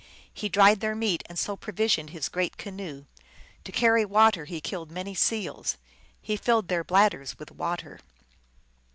He dried their meat, and so provisioned his great canoe. To carry water he killed many seals ; he filled their bladders with water.